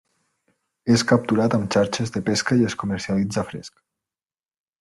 És capturat amb xarxes de pesca i es comercialitza fresc.